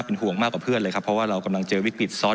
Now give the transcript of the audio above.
ห่วงมากกว่าเพื่อนเลยครับเพราะว่าเรากำลังเจอวิกฤตซ้อน